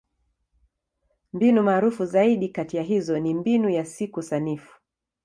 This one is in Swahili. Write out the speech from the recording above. Mbinu maarufu zaidi kati ya hizo ni Mbinu ya Siku Sanifu.